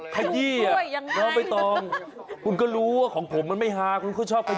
คัยี่อ่ะแล้วไปต่อคุณก็รู้ว่าของผมมันไม่ฮาคุณก็ชอบคัยี่